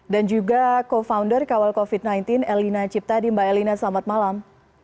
dan juga co founder kawal covid sembilan belas elina ciptadi mbak elina selamat malam